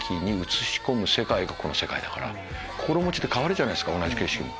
心持ちで変わるじゃない同じ景色も。